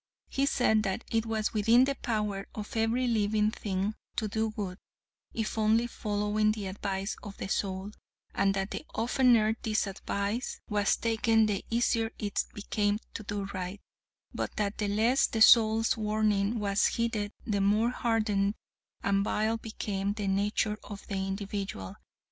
He said that it was within the power of every living thing to do good, if only following the advice of the soul, and that the oftener this advice was taken the easier it became to do right, but that the less the soul's warning was heeded, the more hardened and vile became the nature of the individual.